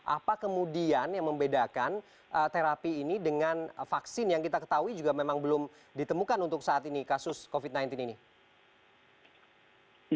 apa kemudian yang membedakan terapi ini dengan vaksin yang kita ketahui juga memang belum ditemukan untuk saat ini kasus covid sembilan belas ini